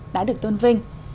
đã được tôn vinh